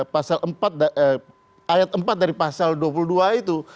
pasal empat ayat empat dari pasal dua puluh dua itu